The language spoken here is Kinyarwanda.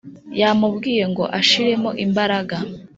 yamubwiye ngo ashiremo imbaraga